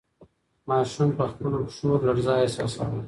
ماشوم په خپلو پښو کې لړزه احساسوله.